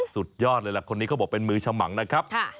สุดยอดเลยล่ะคนนี้เขาบอกเป็นมือฉมังนะครับ